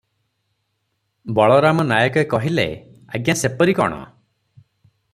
ବଳରାମ ନାୟକେ କହିଲେ, "ଆଜ୍ଞା ସେପରି କଣ?